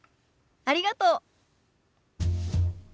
ありがとう。